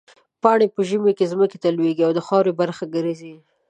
پاڼې په ژمي کې ځمکې ته لوېږي او د خاورې برخه ګرځي.